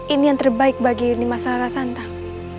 ini yang terbaik bagi rana santang